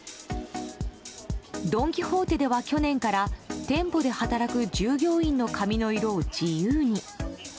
ドン・キホーテでは去年から、店舗で働く従業員の髪の色を自由に。